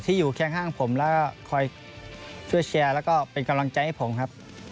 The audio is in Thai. ที่อยู่แค่ข้างผมและคอยช่วยแชร์และก็เป็นกำลังใจให้ผมครับ